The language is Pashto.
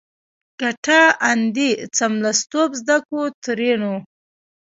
کټه اندي څملستوب زده کو؛ ترينو